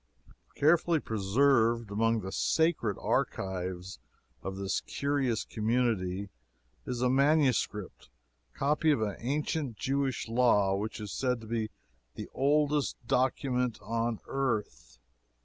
Carefully preserved among the sacred archives of this curious community is a MSS. copy of the ancient Jewish law, which is said to be the oldest document on earth.